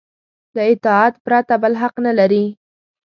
له اطاعت پرته بل حق نه لري.